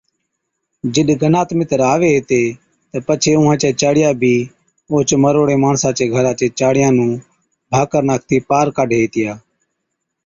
جِڏ گنات مِتر آوي ھِتي تہ پڇي اُونهان چِيا چاڙِيا بِي اوهچ مروڙي ماڻسان چي گھرا چي چاڙِيان نُون ڀاڪر ناکتِي پار ڪاڍي هِتِيا